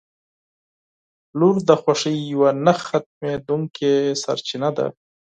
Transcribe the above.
• لور د خوښۍ یوه نه ختمېدونکې سرچینه ده.